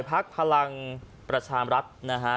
พักพลังประชามรัฐนะฮะ